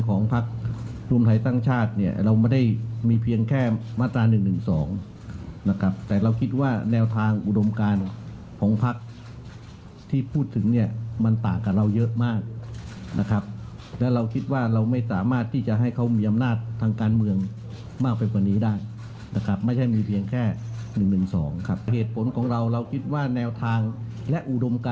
ก็แช่งของพักก้าวกลายกับเรา